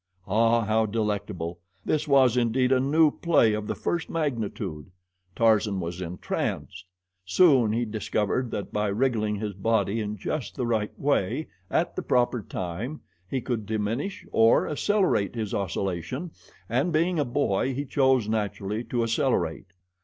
Ah, how delectable! This was indeed a new play of the first magnitude. Tarzan was entranced. Soon he discovered that by wriggling his body in just the right way at the proper time he could diminish or accelerate his oscillation, and, being a boy, he chose, naturally, to accelerate.